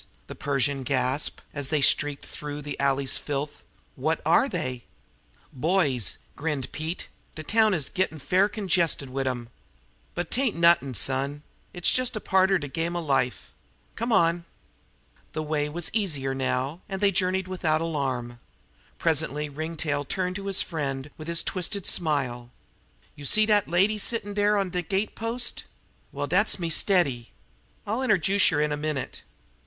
the Persian gasped, as they streaked through the alley's filth. "What are they?" "Boys," grinned Pete. "De town is gittin' fair congested wid 'em. But 'tain't nuttin', son; it's jes' a part er de game er life. Come on." The way was easier now, and they journeyed without alarm. Presently Ringtail turned to his friend with his twisted smile: "Yer see dat lady settin' on de gate post? Well, dat's me steady. I'll interjuce yer in a minute."